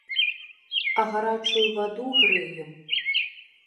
А гарачую ваду грэем.